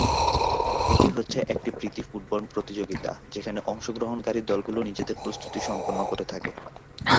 এটি হচ্ছে একটি প্রীতি ফুটবল প্রতিযোগিতা, যেখানে অংশগ্রহণকারী দলগুলো নিজেদের প্রস্তুতি সম্পন্ন করে থাকে।